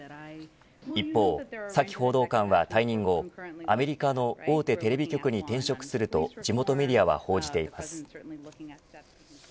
一方、サキ報道官は退任後アメリカの大手テレビ局に転職すると地元メディアは報じています。